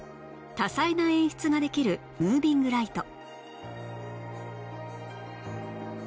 多彩な演出ができるムービングライト